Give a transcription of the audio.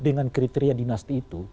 dengan kriteria dinasti itu